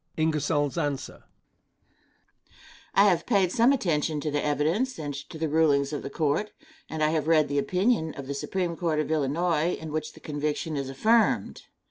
Answer. I have paid some attention to the evidence and to the rulings of the court, and I have read the opinion of the Supreme Court of Illinois, in which the conviction is affirmed.